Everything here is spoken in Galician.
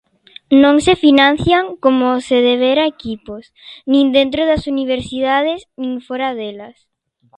Non se financian como se debera equipos, nin dentro das Universidades nin fóra delas.